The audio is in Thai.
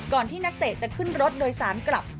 ที่นักเตะจะขึ้นรถโดยสารกลับ